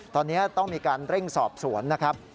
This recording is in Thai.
ตอนนี้ต้องมีการเร่งสอบสวนนะครับ